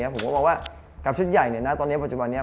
ผมก็มองว่ากับชุดใหญ่ตอนนี้ปัจจุบันนี้